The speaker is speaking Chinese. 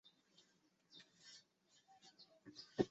后奉旨输送万石米抵达陕西赈灾。